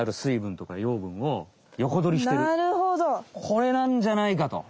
これなんじゃないかと。